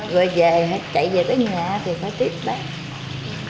rồi về chạy về tới nhà thì phải tiếp đó